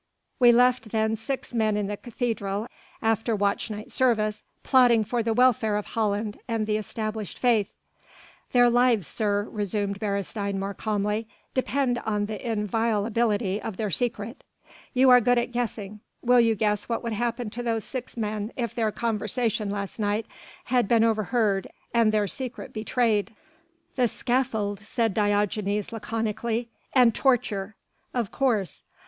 We left then six men in the cathedral after watch night service plotting for the welfare of Holland and the established Faith." "Their lives, sir," resumed Beresteyn more calmly, "depend on the inviolability of their secret. You are good at guessing will you guess what would happen to those six men if their conversation last night had been overheard and their secret betrayed." "The scaffold," said Diogenes laconically. "And torture." "Of course.